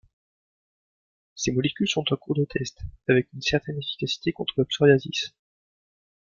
Ces molécules sont en cours de test, avec une certaine efficacité contre le psoriasis.